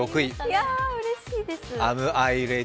いや、うれしいです。